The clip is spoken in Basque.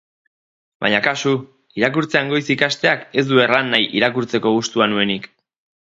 Baina kasu, irakurtzen goiz ikasteak ez du erran nahi irakurtzeko gustua nuenik.